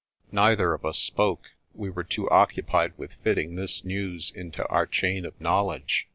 Neither of us spoke; we were too occupied with fitting this news into our chain of knowledge.